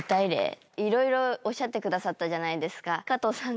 いろいろおっしゃってくださったじゃないですか。